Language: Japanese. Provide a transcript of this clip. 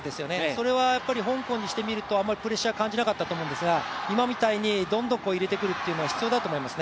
それはやっぱり香港にしてみるとあまりプレッシャーを感じなかったと思いますが今みたいに、どんどん入れてくるというのは必要だと思います。